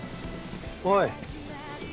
おい！